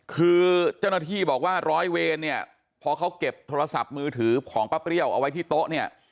คือเจ้าหน้าที่บอกว่าร้อยเวรเนี่ยพอเขาเก็บโทรศัพท์มือถือของป้าเปรี้ยวเอาไว้ที่โต๊ะเนี่ย